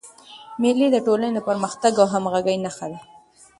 مېلې د ټولني د پرمختګ او همږغۍ نخښه ده.